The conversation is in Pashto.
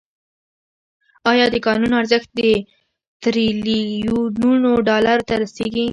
آیا د کانونو ارزښت تریلیونونو ډالرو ته رسیږي؟